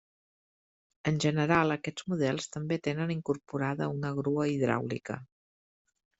En general aquests models també tenen incorporada una grua hidràulica.